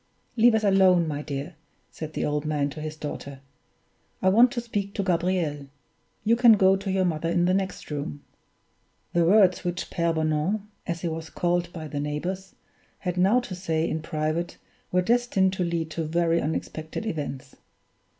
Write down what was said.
"Leave us alone, my dear," said the old man to his daughter; "I want to speak to Gabriel. You can go to your mother in the next room." The words which Pere Bonan as he was called by the neighbors had now to say in private were destined to lead to very unexpected events.